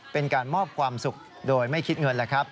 เป็นการมอบความสุขโดยไม่คิดเงินแล้วครับ